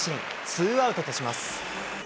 ツーアウトとします。